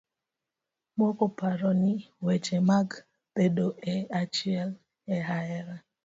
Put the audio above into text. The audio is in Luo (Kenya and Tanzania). Moko paro ni weche mag bedo e achiel e hera.